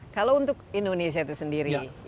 kalau untuk indonesia itu sendiri